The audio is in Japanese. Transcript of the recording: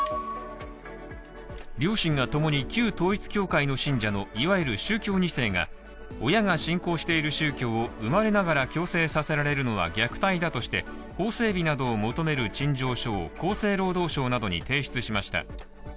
両親がともに旧統一教会の信者のいわゆる宗教２世が親が信仰している宗教を生まれながら強制させられるのは虐待だとして法整備などを求める陳情書を厚生労働省などに提出しました。